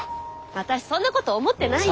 私そんなこと思ってないよ。